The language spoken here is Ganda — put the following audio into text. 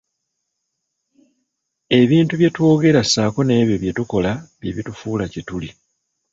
Ebintu bye twogera ssaako n'ebyo bye tukola bye bitufuula kye tuli.